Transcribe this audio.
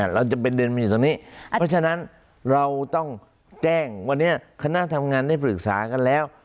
เราจำเป็นเดือนมีตรงนี้เพราะฉะนั้นเราต้องแจ้งวันนี้คณะทำงานได้ปรึกษากันแล้ว